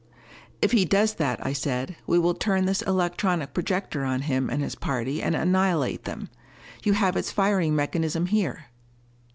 "If he does that," I said, "we will turn this electronic projector on him and his party and annihilate them. You have its firing mechanism here."